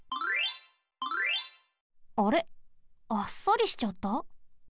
あれあっさりしちゃった？